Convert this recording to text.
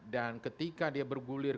dan ketika dia bergulir